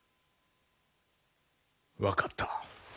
分かった。